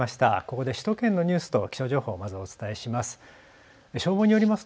ここで首都圏のニュースと気象情報をまず、お伝えします。